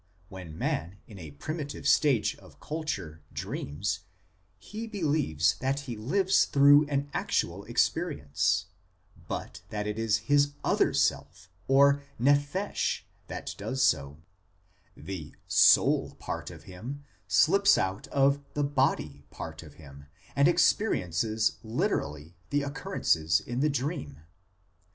When man in a primitive stage of culture dreams, he believes that he lives through an actual experience, but that it is his other self, or nephesh, that does so ; the soul part of him slips out of the body part of him and experiences literally the occurrences in the dream.